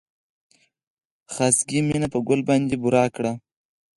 خاصګي مينه په ګل باندې بورا کا